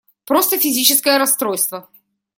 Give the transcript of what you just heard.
Просто физическое расстройство!